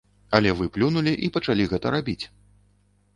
Але вы плюнулі і пачалі гэта рабіць.